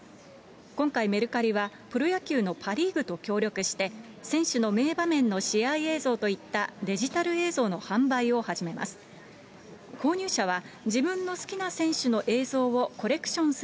今回、メルカリはプロ野球のパ・リーグと協力して、選手の名場面の試合映像といったデジタル映像の販売を始めます。